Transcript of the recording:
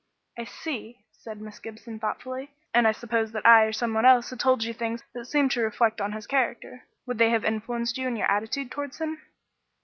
"I see," said Miss Gibson thoughtfully; "and suppose that I or some one else had told you things that seemed to reflect on his character. Would they have influenced you in your attitude towards him?"